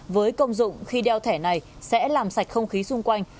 với công dụng khi đeo thẻ này sẽ làm sạch không khí xung quanh